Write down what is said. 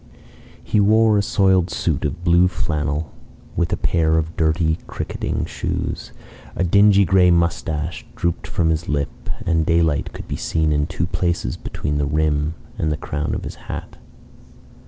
He wore a soiled suit of blue flannel with a pair of dirty cricketing shoes; a dingy gray moustache drooped from his lip, and daylight could be seen in two places between the rim and the crown of his hat.